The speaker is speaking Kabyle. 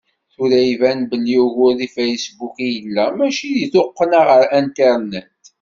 Tura iban belli ugur deg Facebook i yella, mačči deg tuqqna ɣer Internet.